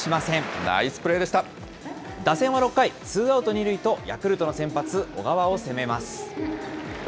打線は６回、ツーアウト２塁とヤクルトの先発、小川を攻めます。